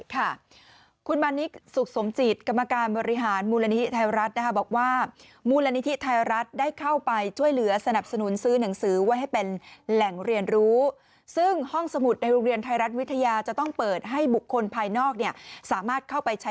ค่ะคุณบานิกสุขสมจิตกรรมการบริหารมูลละนิทธิไทยรัฐ